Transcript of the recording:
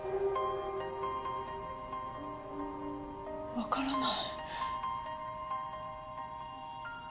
わからない。